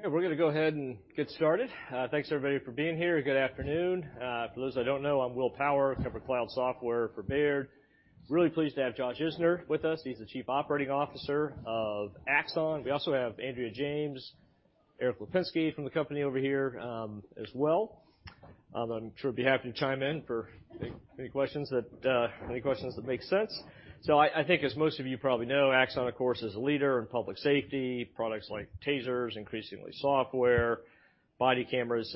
Okay, we're gonna go ahead and get started. Thanks, everybody, for being here. Good afternoon. For those I don't know, I'm Will Power, Cover Cloud Software for Baird. Really pleased to have Josh Isner with us. He's the Chief Operating Officer of Axon. We also have Andrea James, Erik Lapinski from the company over here as well. I'm sure they'd be happy to chime in for any questions that make sense. I think as most of you probably know, Axon, of course, is a leader in public safety, products like TASERs, increasingly software, body cameras,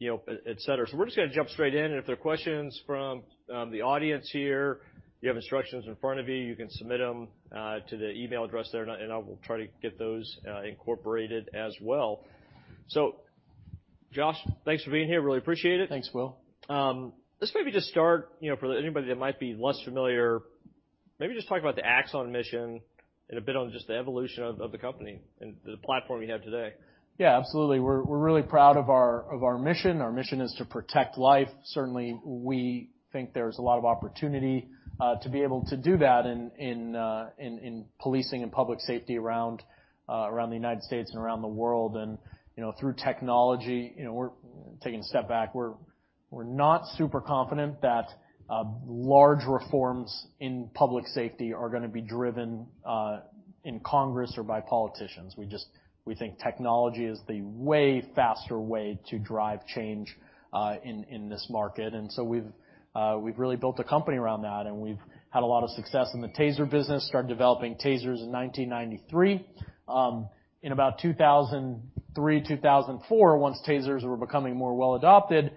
you know, et cetera. We're just gonna jump straight in, and if there are questions from the audience here, you have instructions in front of you. You can submit them to the email address there, and I will try to get those incorporated as well. Josh, thanks for being here. Really appreciate it. Thanks, Will. Let's maybe just start, you know, for anybody that might be less familiar, maybe just talk about the Axon mission and a bit on just the evolution of the company and the platform you have today. Yeah, absolutely. We're really proud of our mission. Our mission is to protect life. Certainly, we think there's a lot of opportunity to be able to do that in policing and public safety around the United States and around the world. You know, through technology... You know, we're taking a step back. We're not super confident that large reforms in public safety are gonna be driven in Congress or by politicians. We think technology is the way faster way to drive change in this market, and so we've really built a company around that, and we've had a lot of success in the TASER business, started developing TASERs in 1993. In about 2003, 2004, once TASERs were becoming more well adopted,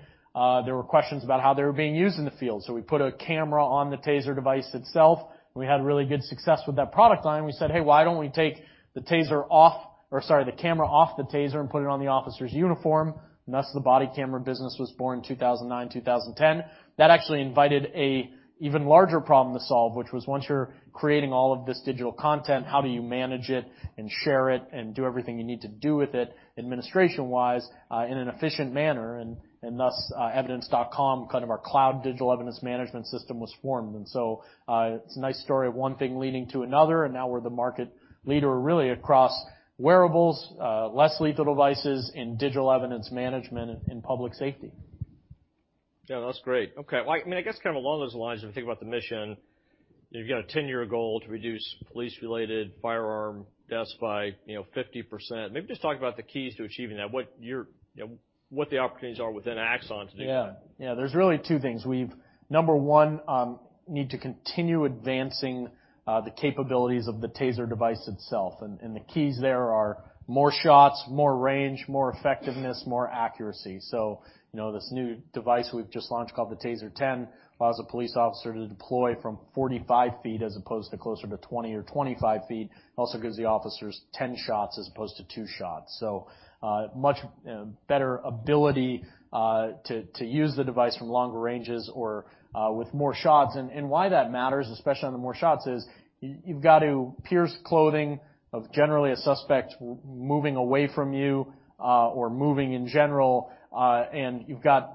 there were questions about how they were being used in the field, so we put a camera on the TASER device itself, and we had really good success with that product line. We said, 'Hey, why don't we take the TASER off, or sorry, the camera off the TASER and put it on the officer's uniform?' Thus, the Body Camera business was born in 2009, 2010. That actually invited a even larger problem to solve, which was once you're creating all of this digital content, how do you manage it and share it and do everything you need to do with it, administration-wise, in an efficient manner, thus, Evidence.com, kind of our cloud digital evidence management system, was formed. It's a nice story of one thing leading to another, and now we're the market leader really across wearables, less lethal devices, and digital evidence management in public safety. Yeah, that's great. Okay, well, I mean, I guess kind of along those lines, if you think about the mission, you've got a 10-year goal to reduce police-related firearm deaths by, you know, 50%. Maybe just talk about the keys to achieving that, what you're, you know, what the opportunities are within Axon to do that. Yeah. Yeah, there's really two things. We've, number one, need to continue advancing the capabilities of the TASER device itself, and the keys there are more shots, more range, more effectiveness, more accuracy. You know, this new device we've just launched called the TASER 10, allows a police officer to deploy from 45 feet as opposed to closer to 20 or 25 feet. It also gives the officers 10 shots as opposed to 2 shots. Much better ability to use the device from longer ranges or with more shots. Why that matters, especially on the more shots, is you've got to pierce clothing of generally a suspect moving away from you, or moving in general, and you've got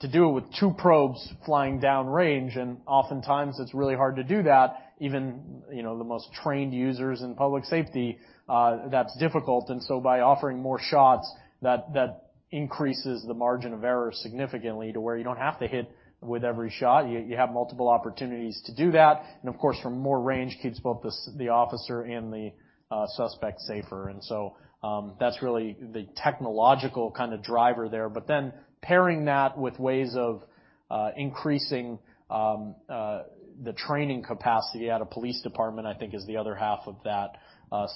to do it with 2 probes flying downrange, and oftentimes, it's really hard to do that. Even, you know, the most trained users in public safety, that's difficult. By offering more shots, that increases the margin of error significantly to where you don't have to hit with every shot. You have multiple opportunities to do that, and of course, from more range, keeps both the officer and the suspect safer. That's really the technological kind of driver there. Pairing that with ways of increasing the training capacity at a police department, I think, is the other half of that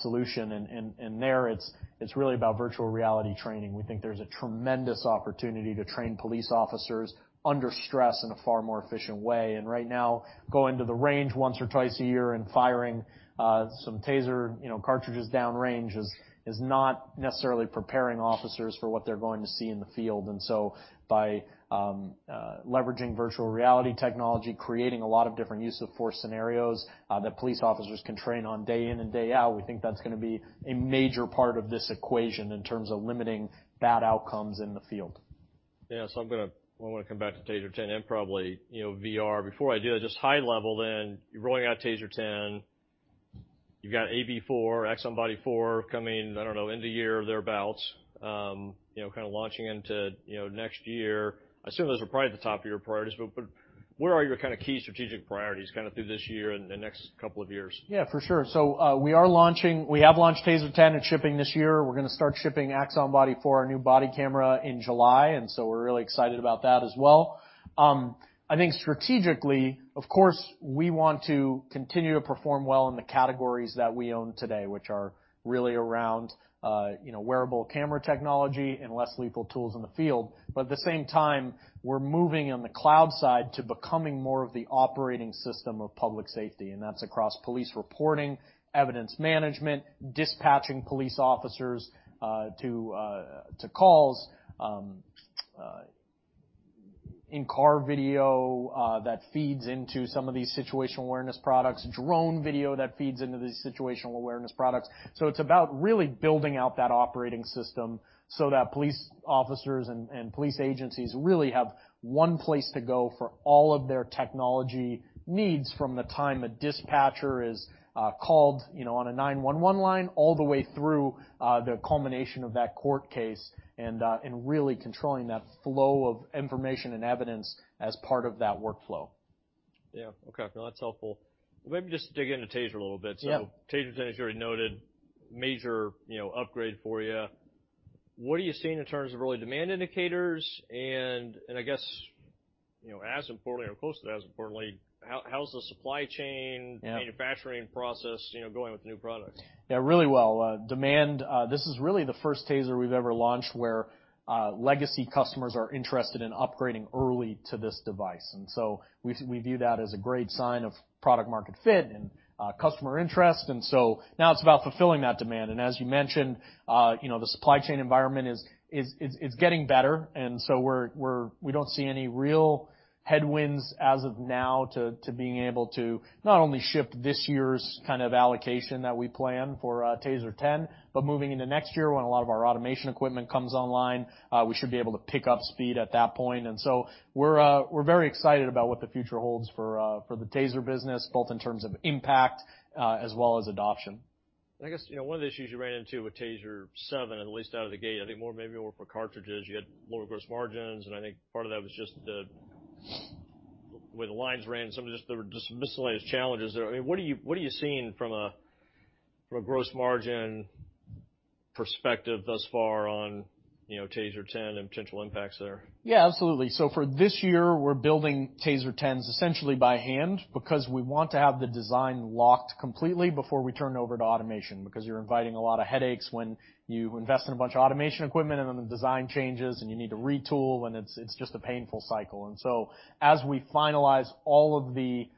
solution. There, it's really about virtual reality training. We think there's a tremendous opportunity to train police officers under stress in a far more efficient way. Right now, going to the range once or twice a year and firing some TASER, you know, cartridges downrange is not necessarily preparing officers for what they're going to see in the field. By leveraging virtual reality technology, creating a lot of different use-of-force scenarios that police officers can train on day in and day out, we think that's gonna be a major part of this equation in terms of limiting bad outcomes in the field. I want to come back to TASER 10 and probably, you know, VR. Before I do that, just high level then, you're rolling out TASER 10, you've got AB4, Axon Body 4 coming, I don't know, end of year or thereabouts, you know, kind of launching into, you know, next year. I assume those are probably at the top of your priorities, but where are your kind of key strategic priorities kind of through this year and the next couple of years? Yeah, for sure. we have launched TASER 10 and shipping this year. We're gonna start shipping Axon Body 4, our new body camera, in July, and so we're really excited about that as well. I think strategically, of course, we want to continue to perform well in the categories that we own today, which are really around, you know, wearable camera technology and less lethal tools in the field. At the same time, we're moving on the cloud side to becoming more of the operating system of public safety, and that's across police reporting, evidence management, dispatching police officers, to calls, in-car video, that feeds into some of these situational awareness products, drone video that feeds into these situational awareness products. It's about really building out that operating system so that police officers and police agencies really have one place to go for all of their technology needs, from the time a dispatcher is called, you know, on a 911 line, all the way through the culmination of that court case, and really controlling that flow of information and evidence as part of that workflow.... Yeah. Okay, no, that's helpful. Maybe just to dig into TASER a little bit. Yeah. TASER, as you already noted, major, you know, upgrade for you. What are you seeing in terms of early demand indicators? And I guess, you know, as importantly or close to as importantly, how's the supply chain? Yeah manufacturing process, you know, going with the new products? Yeah, really well. Demand, this is really the first TASER we've ever launched, where legacy customers are interested in upgrading early to this device. We, we view that as a great sign of product market fit and customer interest. Now it's about fulfilling that demand. As you mentioned, you know, the supply chain environment is getting better, so we don't see any real headwinds as of now to being able to not only ship this year's kind of allocation that we plan for, TASER 10, but moving into next year, when a lot of our automation equipment comes online, we should be able to pick up speed at that point. We're very excited about what the future holds for the TASER business, both in terms of impact, as well as adoption. I guess, you know, one of the issues you ran into with TASER 7, and at least out of the gate, I think more, maybe more for cartridges, you had lower gross margins, and I think part of that was just the way the lines ran, some of just there were just miscellaneous challenges there. I mean, what are you, what are you seeing from a, from a gross margin perspective thus far on, you know, TASER 10 and potential impacts there? Yeah, absolutely. For this year, we're building TASER 10s essentially by hand because we want to have the design locked completely before we turn it over to automation, because you're inviting a lot of headaches when you invest in a bunch of automation equipment, and then the design changes, and you need to retool, and it's just a painful cycle. As we finalize all of the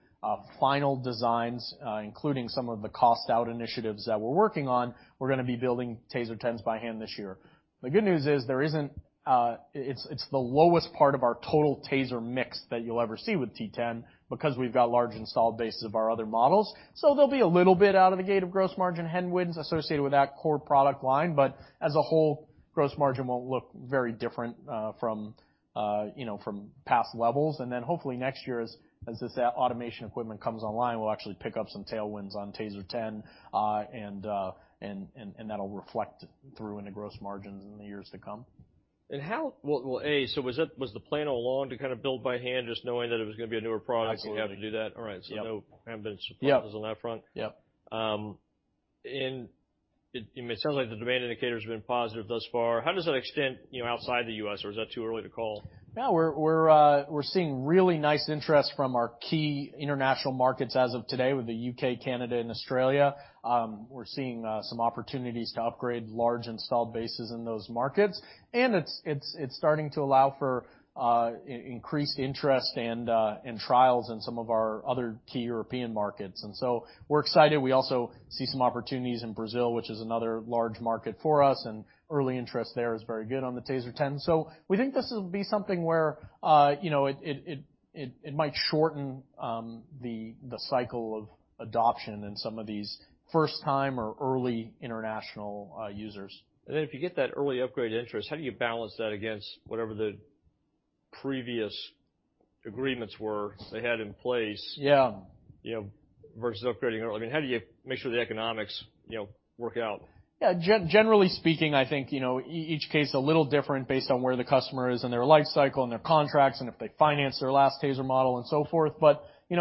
final designs, including some of the cost-out initiatives that we're working on, we're gonna be building TASER 10s by hand this year. The good news is there isn't. It's the lowest part of our total TASER mix that you'll ever see with T10, because we've got large installed bases of our other models, so there'll be a little bit out of the gate of gross margin headwinds associated with that core product line. As a whole, gross margin won't look very different, from, you know, past levels. Hopefully next year, as that automation equipment comes online, we'll actually pick up some tailwinds on TASER 10, and that'll reflect through in the gross margins in the years to come. Well, was that, was the plan all along to kind of build by hand, just knowing that it was gonna be a newer product? Absolutely. You have to do that? All right. Yep. No, haven't been surprises. Yep on that front. Yep. It sounds like the demand indicators have been positive thus far. How does that extend, you know, outside the U.S., or is that too early to call? We're seeing really nice interest from our key international markets as of today with the U.K., Canada, and Australia. We're seeing some opportunities to upgrade large installed bases in those markets, and it's starting to allow for increased interest and trials in some of our other key European markets. We're excited. We also see some opportunities in Brazil, which is another large market for us, and early interest there is very good on the TASER 10. We think this will be something where, you know, it might shorten the cycle of adoption in some of these first-time or early international users. if you get that early upgrade interest, how do you balance that against whatever the previous agreements were they had in place? Yeah -You know, versus upgrading early? I mean, how do you make sure the economics, you know, work out? Generally speaking, I think, you know, each case a little different based on where the customer is in their life cycle and their contracts and if they financed their last TASER model and so forth. You know, the, you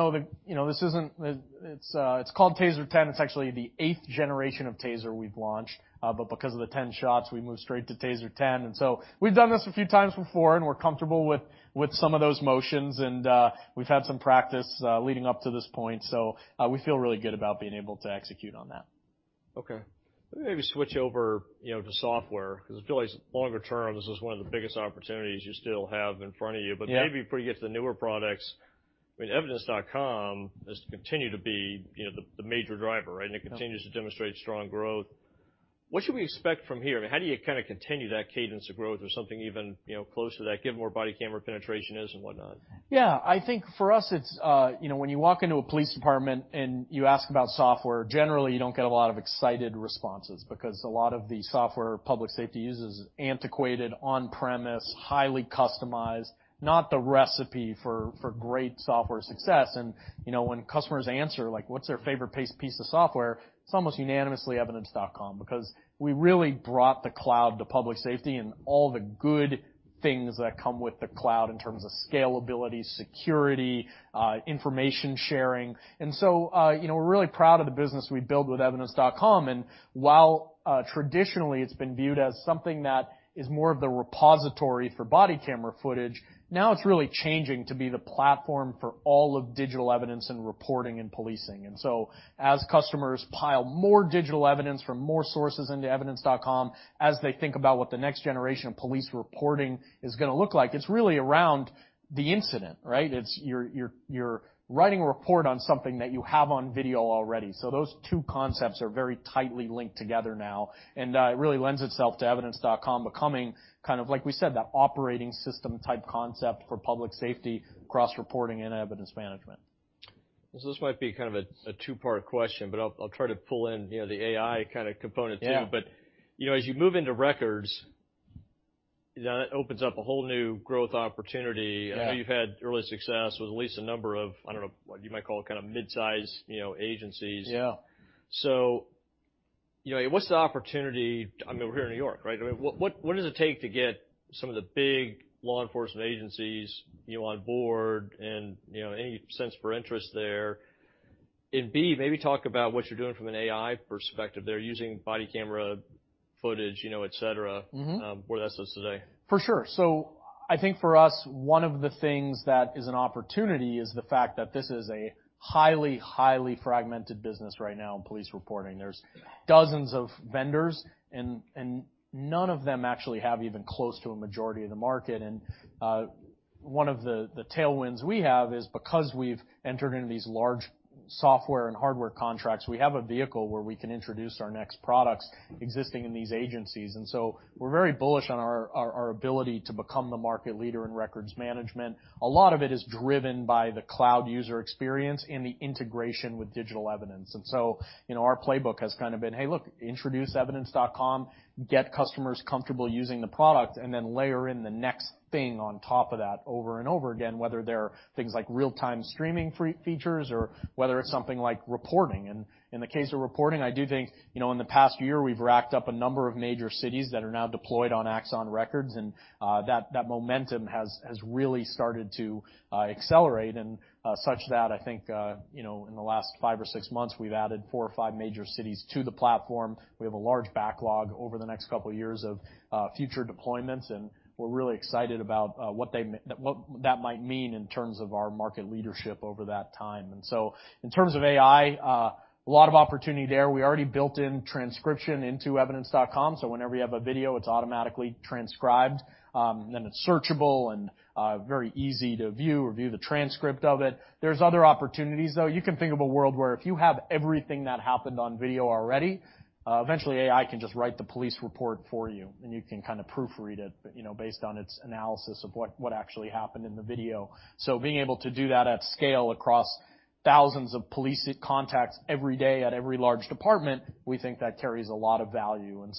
know, this isn't. It's called TASER 10. It's actually the eighth generation of TASER we've launched, but because of the 10 shots, we moved straight to TASER 10. We've done this a few times before, and we're comfortable with some of those motions, and we've had some practice, leading up to this point, so we feel really good about being able to execute on that. Okay. Let me maybe switch over, you know, to software, because I feel like longer term, this is one of the biggest opportunities you still have in front of you. Yeah. Maybe before you get to the newer products, I mean, Evidence.com has continued to be, you know, the major driver, right? Yeah. It continues to demonstrate strong growth. What should we expect from here? I mean, how do you kind of continue that cadence of growth or something even, you know, close to that, given where body camera penetration is and whatnot? I think for us, it's, you know, when you walk into a police department, and you ask about software, generally, you don't get a lot of excited responses because a lot of the software public safety uses is antiquated, on-premise, highly customized, not the recipe for great software success. You know, when customers answer, like, what's their favorite piece of software, it's almost unanimously Evidence.com, because we really brought the cloud to public safety and all the good things that come with the cloud in terms of scalability, security, information sharing. You know, we're really proud of the business we built with Evidence.com. While, traditionally it's been viewed as something that is more of the repository for body camera footage, now it's really changing to be the platform for all of digital evidence and reporting and policing. As customers pile more digital evidence from more sources into Evidence.com, as they think about what the next generation of police reporting is gonna look like, it's really around the incident, right? It's. You're writing a report on something that you have on video already. Those two concepts are very tightly linked together now, and it really lends itself to Evidence.com becoming kind of, like we said, that operating system type concept for public safety, cross-reporting and evidence management. This might be kind of a 2-part question, but I'll try to pull in, you know, the AI kind of component, too. Yeah. You know, as you move into Records, then that opens up a whole new growth opportunity. Yeah. I know you've had early success with at least a number of, I don't know, what you might call kind of mid-size, you know, agencies. Yeah. you know, what's the opportunity? I mean, we're here in New York, right? I mean, what does it take to get some of the big law enforcement agencies, you know, on board, and, you know, any sense for interest there? B, maybe talk about what you're doing from an AI perspective there, using body camera footage, you know, et cetera where that stands today. For sure. I think for us, one of the things that is an opportunity is the fact that this is a highly fragmented business right now in police reporting. There's dozens of vendors, and none of them actually have even close to a majority of the market. One of the tailwinds we have is because we've entered into these large software and hardware contracts, we have a vehicle where we can introduce our next products existing in these agencies. We're very bullish on our ability to become the market leader in records management. A lot of it is driven by the cloud user experience and the integration with digital evidence. You know, our playbook has kind of been, "Hey, look, introduce Evidence.com, get customers comfortable using the product, and then layer in the next thing on top of that over and over again," whether they're things like real-time streaming features or whether it's something like reporting. In the case of reporting, I do think, you know, in the past year, we've racked up a number of major cities that are now deployed on Axon Records, and that momentum has really started to accelerate, such that I think, you know, in the last 5 or 6 months, we've added 4 or 5 major cities to the platform. We have a large backlog over the next couple of years of future deployments, and we're really excited about what that might mean in terms of our market leadership over that time. In terms of AI, a lot of opportunity there. We already built in transcription into Evidence.com, so whenever you have a video, it's automatically transcribed, then it's searchable and very easy to view or view the transcript of it. There's other opportunities, though. You can think of a world where if you have everything that happened on video already, eventually, AI can just write the police report for you, and you can kind of proofread it, you know, based on its analysis of what actually happened in the video. Being able to do that at scale across thousands of police contacts every day at every large department, we think that carries a lot of value, a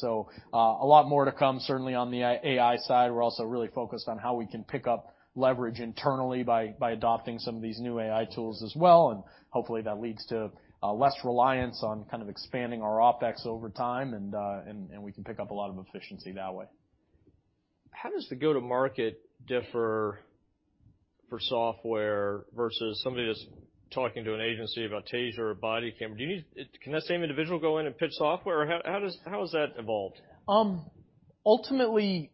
lot more to come, certainly on the AI side. We're also really focused on how we can pick up leverage internally by adopting some of these new AI tools as well, and hopefully, that leads to less reliance on kind of expanding our OpEx over time, and we can pick up a lot of efficiency that way. How does the go-to-market differ for software versus somebody that's talking to an agency about TASER or body camera? Can that same individual go in and pitch software, or how has that evolved? Ultimately,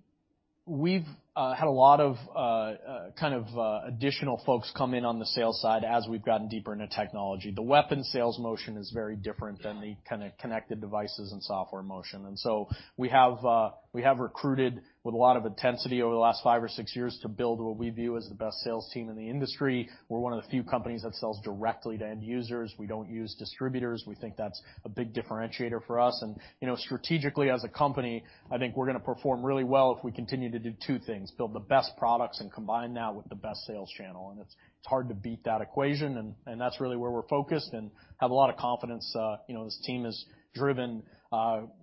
we've had a lot of kind of additional folks come in on the sales side as we've gotten deeper into technology. The weapon sales motion is very different than the kind of connected devices and software motion. We have recruited with a lot of intensity over the last five or six years to build what we view as the best sales team in the industry. We're one of the few companies that sells directly to end users. We don't use distributors. We think that's a big differentiator for us, and, you know, strategically, as a company, I think we're gonna perform really well if we continue to do two things: build the best products and combine that with the best sales channel. It's, it's hard to beat that equation, and that's really where we're focused and have a lot of confidence. You know, this team has driven,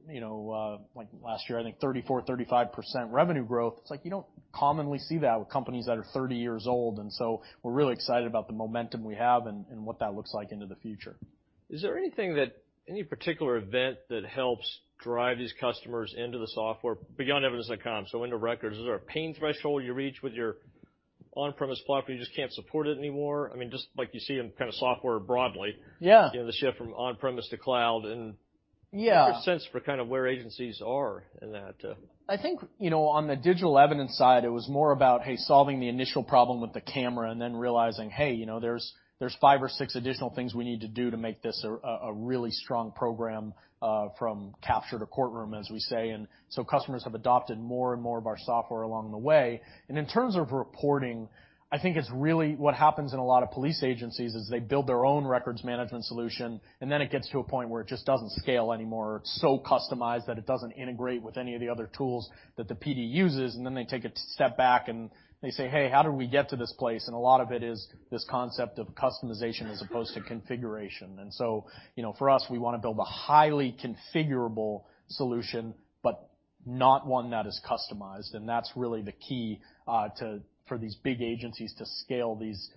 you know, like last year, I think 34%-35% revenue growth. It's like you don't commonly see that with companies that are 30 years old, so we're really excited about the momentum we have and what that looks like into the future. Is there any particular event that helps drive these customers into the software beyond Evidence.com, so into Axon Records? Is there a pain threshold you reach with your on-premise platform, you just can't support it anymore? I mean, just like you see in kind of software broadly. Yeah. You know, the shift from on-premise to cloud. Yeah. Give a sense for kind of where agencies are in that? I think, you know, on the digital evidence side, it was more about, hey, solving the initial problem with the camera and then realizing, hey, you know, there's five or six additional things we need to do to make this a really strong program from capture to courtroom, as we say. In terms of reporting, I think it's really what happens in a lot of police agencies, is they build their own records management solution, and then it gets to a point where it just doesn't scale anymore. It's so customized that it doesn't integrate with any of the other tools that the PD uses, and then they take a step back, and they say, "Hey, how did we get to this place?" A lot of it is this concept of customization as opposed to configuration. You know, for us, we wanna build a highly configurable solution, but not one that is customized, and that's really the key for these big agencies to scale these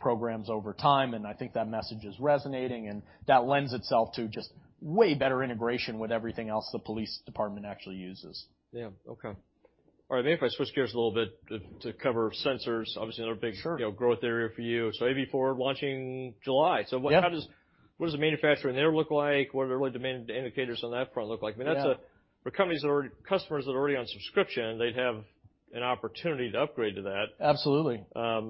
programs over time, and I think that message is resonating, and that lends itself to just way better integration with everything else the police department actually uses. Yeah. Okay. All right, maybe if I switch gears a little bit to cover sensors, obviously another big- Sure. you know, growth area for you. AB4 launching July. Yeah. What does the manufacturing there look like? What do the really demanding indicators on that front look like? Yeah. I mean, customers that are already on subscription, they'd have an opportunity to upgrade to that. Absolutely. Yeah,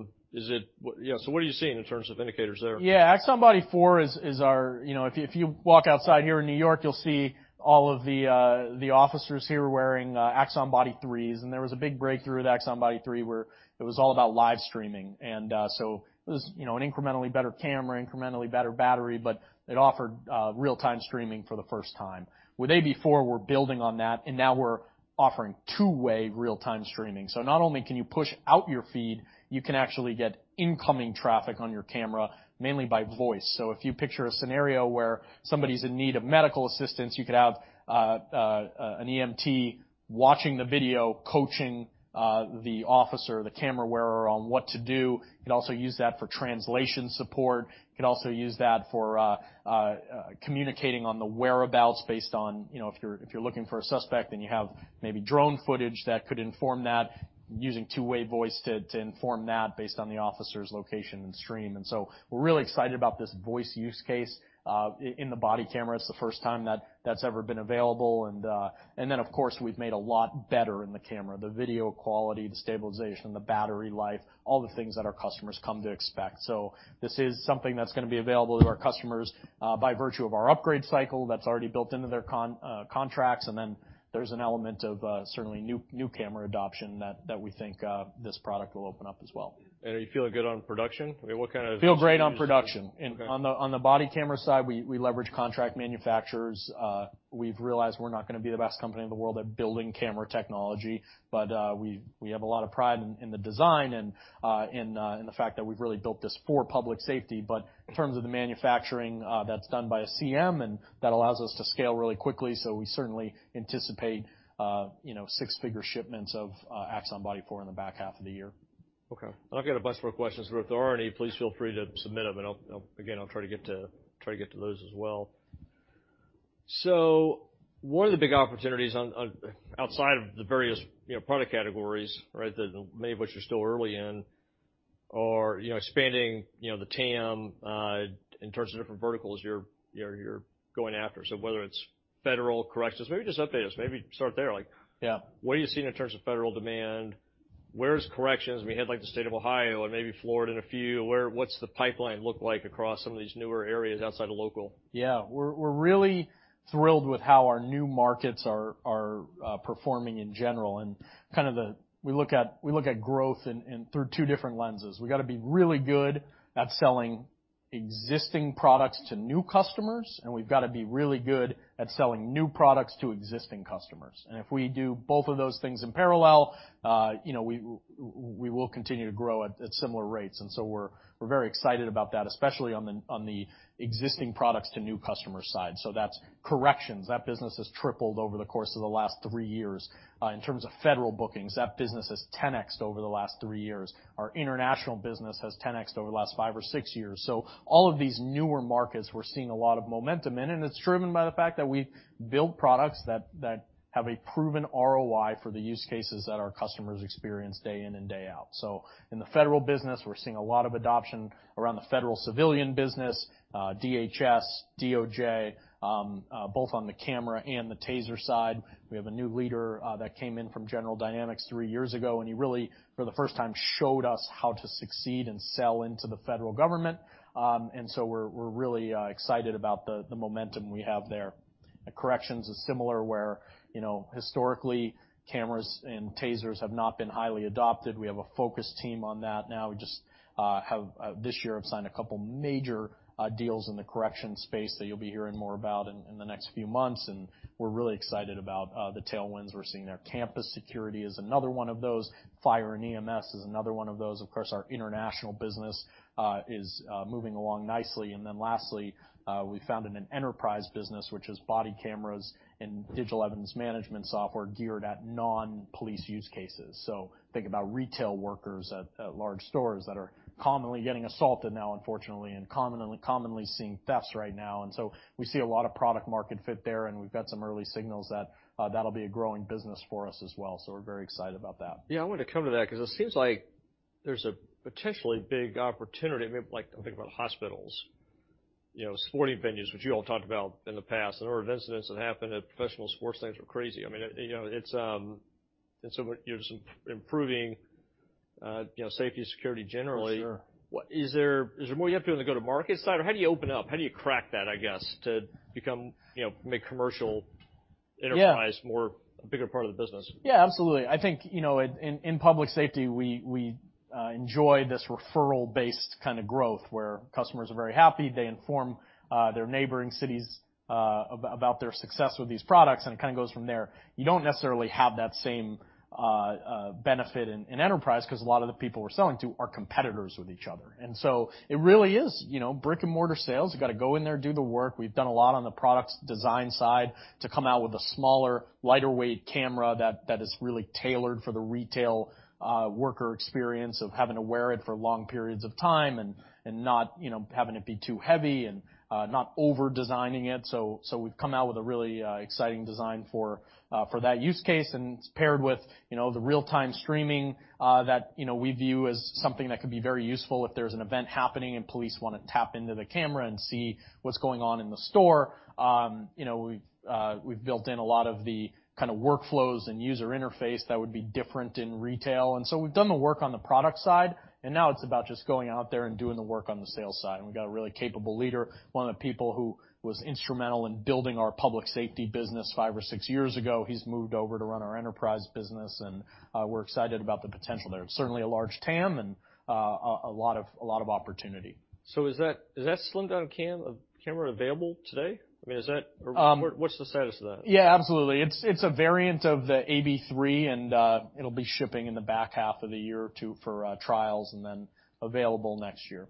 what are you seeing in terms of indicators there? Yeah, Axon Body 4 is our. You know, if you walk outside here in New York, you'll see all of the officers here wearing Axon Body 3s, and there was a big breakthrough with Axon Body 3, where it was all about live streaming. It was, you know, an incrementally better camera, incrementally better battery, but it offered real-time streaming for the first time. With AB4, we're building on that, and now we're offering two-way real-time streaming. Not only can you push out your feed, you can actually get incoming traffic on your camera, mainly by voice. If you picture a scenario where somebody's in need of medical assistance, you could have an EMT watching the video, coaching the officer, the camera wearer, on what to do. You could also use that for translation support, you could also use that for communicating on the whereabouts based on, you know, if you're, if you're looking for a suspect, and you have maybe drone footage that could inform that, using two-way voice to inform that based on the officer's location and stream. We're really excited about this voice use case in the body camera. It's the first time that that's ever been available, and then, of course, we've made a lot better in the camera, the video quality, the stabilization, the battery life, all the things that our customers come to expect. This is something that's gonna be available to our customers, by virtue of our upgrade cycle that's already built into their contracts, and then there's an element of, certainly new camera adoption that we think, this product will open up as well. Are you feeling good on production? I mean. Feel great on production. Okay. On the body camera side, we leverage contract manufacturers. We've realized we're not gonna be the best company in the world at building camera technology, but we have a lot of pride in the design and in the fact that we've really built this for public safety. In terms of the manufacturing, that's done by a CM, and that allows us to scale really quickly, so we certainly anticipate, you know, 6-figure shipments of Axon Body 4 in the back half of the year. Okay. I've got a bunch more questions, but if there are any, please feel free to submit them, and I'll again, I'll try to get to those as well. One of the big opportunities on, outside of the various, you know, product categories, right, that many of which you're still early in, are, you know, expanding, you know, the TAM, in terms of different verticals you're going after. Whether it's federal, corrections, maybe just update us, maybe start there? Yeah. What are you seeing in terms of federal demand? Where's corrections? We had, like, the state of Ohio and maybe Florida and a few. What's the pipeline look like across some of these newer areas outside of local? We're really thrilled with how our new markets are performing in general. We look at growth through two different lenses. We've got to be really good at selling existing products to new customers, and we've got to be really good at selling new products to existing customers. If we do both of those things in parallel, you know, we will continue to grow at similar rates. We're very excited about that, especially on the existing products to new customer side. That's corrections. That business has tripled over the course of the last three years. In terms of federal bookings, that business has 10x'd over the last three years. Our International business has 10x'd over the last five or six years. All of these newer markets, we're seeing a lot of momentum in, and it's driven by the fact that we've built products that have a proven ROI for the use cases that our customers experience day in and day out. In the Federal business, we're seeing a lot of adoption around the Federal Civilian business, DHS, DOJ, both on the camera and the TASER side. We have a new leader that came in from General Dynamics 3 years ago, and he really, for the first time, showed us how to succeed and sell into the federal government. We're really excited about the momentum we have there. Corrections is similar, where, you know, historically, cameras and TASERs have not been highly adopted. We have a focused team on that now. We just have this year have signed a couple major deals in the corrections space that you'll be hearing more about in the next few months, and we're really excited about the tailwinds we're seeing there. Campus security is another one of those. Fire and EMS is another one of those. Of course, our International business is moving along nicely. Lastly, we founded an Enterprise business, which is body cameras and digital evidence management software geared at non-police use cases. Think about retail workers at large stores that are commonly getting assaulted now, unfortunately, and commonly seeing thefts right now. We see a lot of product market fit there, and we've got some early signals that that'll be a growing business for us as well, we're very excited about that. Yeah, I wanted to come to that because it seems like there's a potentially big opportunity, maybe, like, think about hospitals, you know, sporting venues, which you all talked about in the past. The number of incidents that happened at professional sports things were crazy. I mean, you know, it's. You're just improving, you know, safety and security generally. For sure. Is there, is there more you have to do on the go-to-market side, or how do you open up? How do you crack that, I guess, to become, you know, make commercial enterprise- Yeah more a bigger part of the business? Yeah, absolutely. I think, you know, in public safety, we enjoy this referral-based kind of growth, where customers are very happy. They inform their neighboring cities about their success with these products, and it kind of goes from there. You don't necessarily have that same benefit in enterprise because a lot of the people we're selling to are competitors with each other. It really is, you know, brick-and-mortar sales. You've got to go in there, do the work. We've done a lot on the product design side to come out with a smaller, lighter-weight camera that is really tailored for the retail worker experience of having to wear it for long periods of time and not, you know, having it be too heavy and not over-designing it. We've come out with a really exciting design for that use case, and it's paired with, you know, the real-time streaming, that, you know, we view as something that could be very useful if there's an event happening and police want to tap into the camera and see what's going on in the store. You know, we've built in a lot of the kind of workflows and user interface that would be different in retail, and so we've done the work on the product side, and now it's about just going out there and doing the work on the sales side, and we've got a really capable leader, one of the people who was instrumental in building our Public Safety business five or six years ago. He's moved over to run our Enterprise business, and, we're excited about the potential there. It's certainly a large TAM and a lot of opportunity. Is that slimmed-down camera available today? I mean. Um- What's the status of that? Yeah, absolutely. It's a variant of the AB3, and it'll be shipping in the back half of the year or two for trials and then available next year.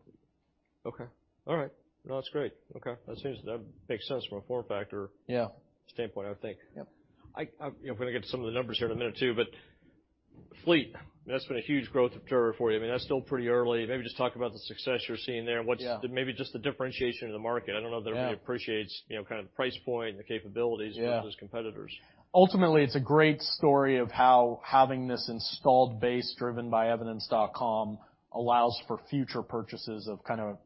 Okay. All right. No, that's great. Okay, That makes sense from a form factor- Yeah. -standpoint, I would think. Yep. I'm, you know, we're going to get to some of the numbers here in a minute, too, but Fleet, that's been a huge growth driver for you. I mean, that's still pretty early. Maybe just talk about the success you're seeing there, and what's. Yeah. Maybe just the differentiation in the market. Yeah. I don't know that everybody appreciates, you know, kind of the price point and the capabilities... Yeah of those competitors. Ultimately, it's a great story of how having this installed base driven by Evidence.com allows for future purchases of kind of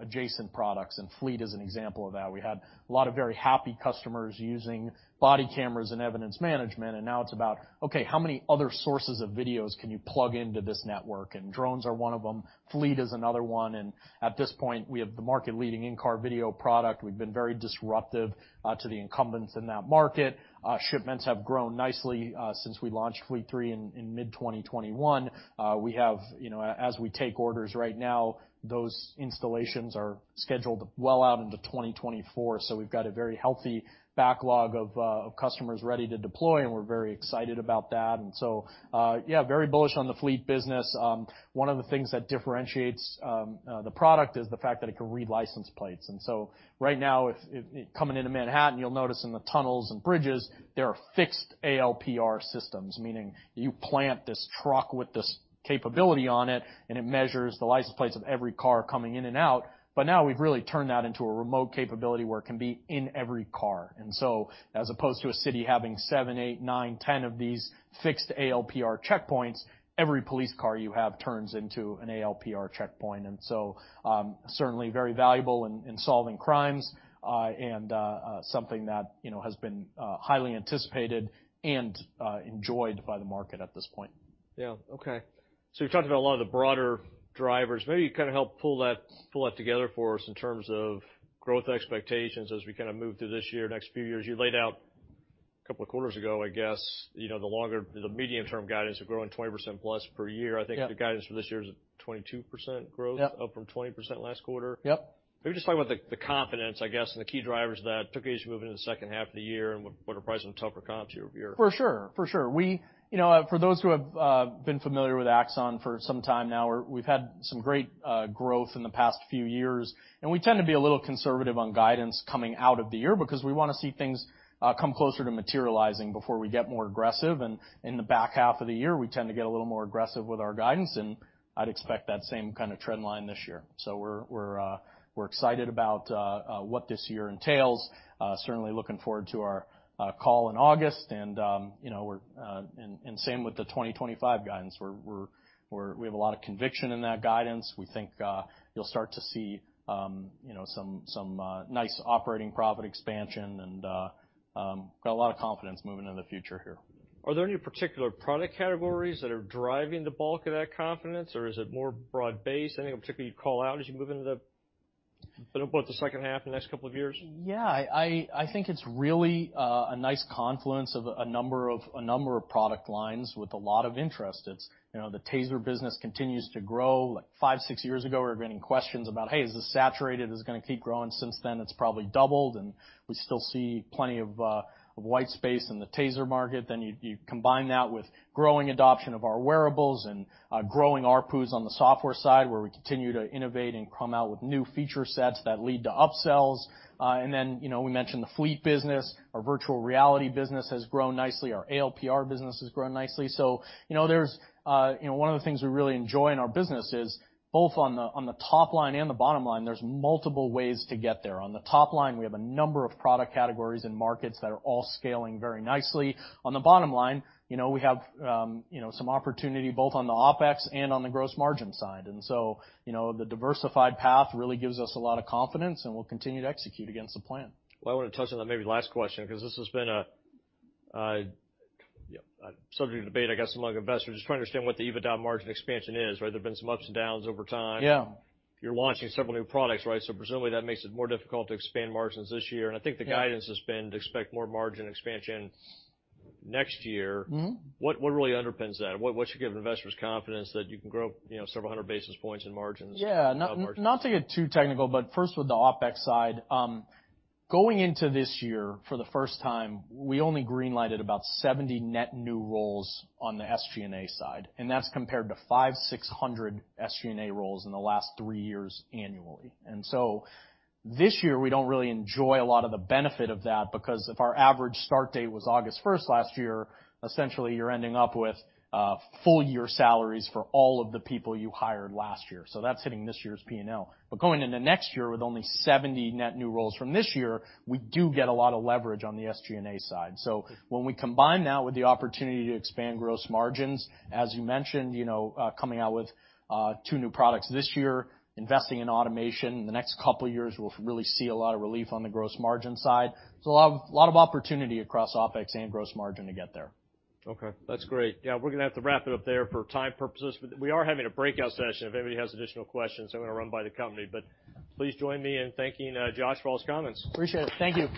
adjacent products. Fleet is an example of that. We had a lot of very happy customers using body cameras and evidence management. Now it's about, okay, how many other sources of videos can you plug into this network? Drones are one of them, Fleet is another one. At this point, we have the market-leading in-car video product. We've been very disruptive to the incumbents in that market. Shipments have grown nicely since we launched Fleet 3 in mid-2021. We have, you know, as we take orders right now, those installations are scheduled well out into 2024. We've got a very healthy backlog of customers ready to deploy. We're very excited about that. Yeah, very bullish on the Fleet business. One of the things that differentiates the product is the fact that it can read license plates. Right now, if coming into Manhattan, you'll notice in the tunnels and bridges, there are fixed ALPR systems, meaning you plant this truck with this capability on it, and it measures the license plates of every car coming in and out. Now we've really turned that into a remote capability where it can be in every car. As opposed to a city having 7, 8, 9, 10 of these fixed ALPR checkpoints, every police car you have turns into an ALPR checkpoint, and so, certainly very valuable in solving crimes, and something that, you know, has been highly anticipated and enjoyed by the market at this point. Yeah. Okay. you've talked about a lot of the broader drivers. Maybe you kind of help pull that together for us in terms of growth expectations as we kind of move through this year, next few years. You laid out a couple of quarters ago, I guess, you know, the medium-term guidance of growing 20% plus per year. Yeah. I think the guidance for this year is a 22% growth- Yeah. up from 20% last quarter. Yep. Maybe just talk about the confidence, I guess, and the key drivers that took as you move into the second half of the year and what are pricing tougher comps year-over-year? For sure. For sure. You know, for those who have been familiar with Axon for some time now, we've had some great growth in the past few years, and we tend to be a little conservative on guidance coming out of the year because we want to see things come closer to materializing before we get more aggressive. In the back half of the year, we tend to get a little more aggressive with our guidance, and I'd expect that same kind of trend line this year. We're excited about what this year entails. Certainly looking forward to our call in August, and, you know. Same with the 2025 guidance. We have a lot of conviction in that guidance. We think, you'll start to see, you know, some nice operating profit expansion, and, got a lot of confidence moving in the future here. Are there any particular product categories that are driving the bulk of that confidence, or is it more broad-based? Anything in particular you'd call out as you move into the second half, the next couple of years? Yeah. I think it's really a nice confluence of a number of product lines with a lot of interest. It's, you know, the TASER business continues to grow. Like, 5, 6 years ago, we were getting questions about, "Hey, is this saturated? Is this going to keep growing?" Since then, it's probably doubled, and we still see plenty of white space in the TASER market. You combine that with growing adoption of our wearables and growing ARPUs on the software side, where we continue to innovate and come out with new feature sets that lead to upsells. You know, we mentioned the Fleet business. Our Virtual Reality business has grown nicely. Our ALPR business has grown nicely. You know, there's... You know, one of the things we really enjoy in our business is both on the top line and the bottom line, there's multiple ways to get there. On the top line, we have a number of product categories and markets that are all scaling very nicely. On the bottom line, you know, we have, you know, some opportunity both on the OpEx and on the gross margin side. You know, the diversified path really gives us a lot of confidence, and we'll continue to execute against the plan. Well, I want to touch on that maybe last question, because this has been a, you know, a subject of debate, I guess, among investors, just to understand what the EBITDA margin expansion is, right? There have been some ups and downs over time. Yeah. You're launching several new products, right? Presumably, that makes it more difficult to expand margins this year. Yeah. I think the guidance has been to expect more margin expansion next year. What really underpins that? What should give investors confidence that you can grow, you know, several hundred basis points in margins? Yeah. Margins. Not to get too technical, first with the OpEx side, going into this year, for the first time, we only greenlighted about 70 net new roles on the SG&A side, and that's compared to 500-600 SG&A roles in the last 3 years annually. This year, we don't really enjoy a lot of the benefit of that, because if our average start date was August first last year, essentially, you're ending up with full year salaries for all of the people you hired last year, so that's hitting this year's P&L. Going into next year with only 70 net new roles from this year, we do get a lot of leverage on the SG&A side. When we combine that with the opportunity to expand gross margins, as you mentioned, you know, coming out with, two new products this year, investing in automation, the next couple of years will really see a lot of relief on the gross margin side. There's a lot of opportunity across OpEx and gross margin to get there. Okay, that's great. Yeah, we're gonna have to wrap it up there for time purposes. We are having a breakout session if anybody has additional questions they want to run by the company. Please join me in thanking Josh for all his comments. Appreciate it. Thank you.